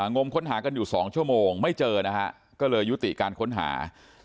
งมค้นหากันอยู่๒ชั่วโมงไม่เจอนะฮะก็เลยยุติการค้นหา